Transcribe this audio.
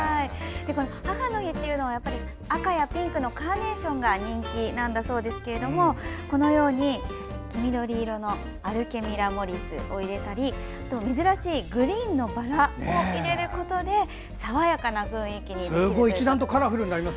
母の日というと赤やピンクのカーネーションが人気なんだそうですけれども黄緑色のアルケミラ・モリスを入れたりあと、珍しいグリーンのバラを入れることで爽やかな雰囲気にできると。